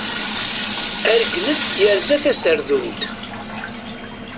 Aregnet yerza taserdunt.